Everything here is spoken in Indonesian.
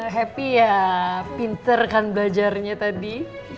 happy ya pinter kan belajarnya tadi